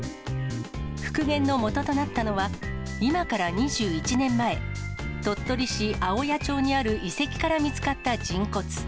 復元のもととなったのは、今から２１年前、鳥取市青谷町にある遺跡から見つかった人骨。